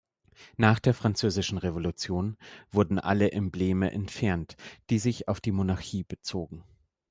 Nach der Französischen Revolution wurden alle Embleme entfernt, die sich auf die Monarchie bezogen.